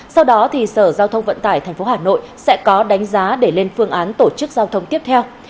sau đó thì sở giao thông vận tải thành phố hà nội sẽ có đánh giá để lên phương án tổ chức giao thông tiếp theo